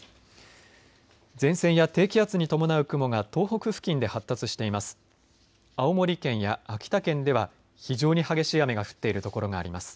前線や低気圧に伴う雲が東北付近で発達しています。